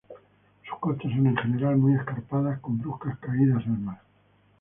Sus costas son en general muy escarpadas con bruscas caídas al mar.